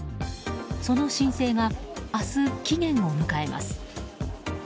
その申請が明日、期限を迎えます。